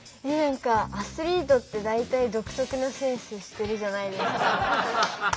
何かアスリートって大体独特なセンスしてるじゃないですか。